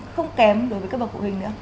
không kém đối với các bậc phụ huynh nữa